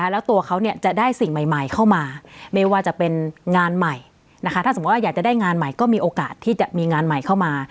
แล้วตัวเขาจะได้สิ่งใหม่เข้ามาไม่ว่าจะเป็นงานใหม่ถ้าสมมุติว่าอยากจะได้งานใหม่ก็มีโอกาสที่จะมีงานใหม่เข้ามา